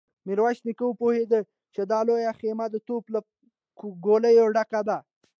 ميرويس نيکه وپوهيد چې دا لويه خيمه د توپ له ګوليو ډکه ده.